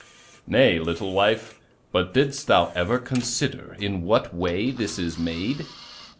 "Nay, little wife; but didst thou ever consider in what way this is made?"